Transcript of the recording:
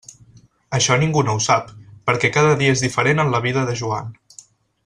Això ningú no ho sap, perquè cada dia és diferent en la vida de Joan.